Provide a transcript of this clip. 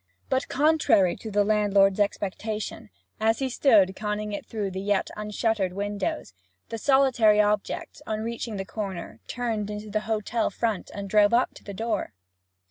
But, contrary to the landlord's expectation, as he stood conning it through the yet unshuttered windows, the solitary object, on reaching the corner, turned into the hotel front, and drove up to the door.